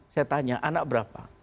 saya tanya anak berapa